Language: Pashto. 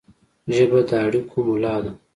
ژبه د اړیکو ملا ده